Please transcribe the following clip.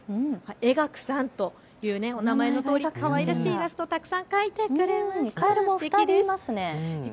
えがくさんという名前のとおりかわいらしいイラストたくさん描いてくれました。